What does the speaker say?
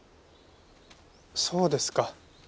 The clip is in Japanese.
そうですか。